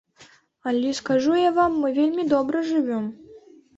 Але, скажу я вам, мы вельмі добра жывём.